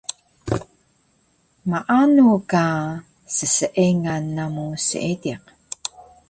Maanu ka sseengan namu seediq